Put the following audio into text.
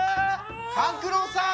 ・勘九郎さん。